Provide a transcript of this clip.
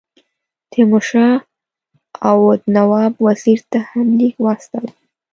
تیمور شاه اَوَد نواب وزیر ته هم لیک واستاوه.